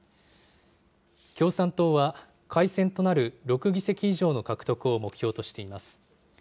共産党は、改選となる６議席以上の獲得を目標としています。